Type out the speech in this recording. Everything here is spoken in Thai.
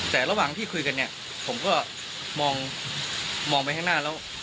แต่ระหว่างที่คุยกันเนี่ยผมก็มองไปข้างหน้าแล้ว